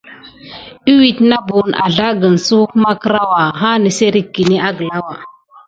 Iwid na buhən azlagən suwek makkrawa ha nəsserik kiné aglawa.